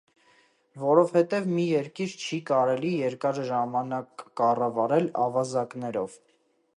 Որովհետև մի երկիր չի կարելի երկար ժամանակ կառավարել ավազակներով: